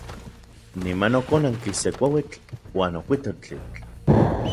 Niman okonanki se kuauitl uan okuito tlitl.